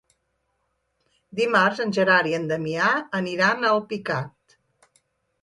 Dimarts en Gerard i en Damià aniran a Alpicat.